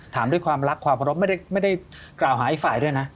ถามด้วยความรักความเคารพไม่ได้กล่าวหาอีกฝ่ายด้วยนะ